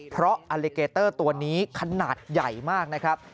เพราะอลิเกเตอร์ตัวนี้ขนาดใหญ่มากนะครับ